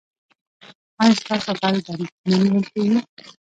ایا ستاسو غل به نه نیول کیږي؟